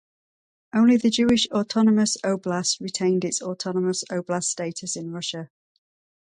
Only the Jewish Autonomous Oblast retained its autonomous oblast status in Russia.